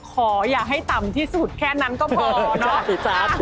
อย่าให้ต่ำที่สุดแค่นั้นก็พอเนาะ